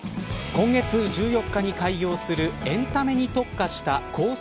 今月１４日に開業するエンタメに特化した高層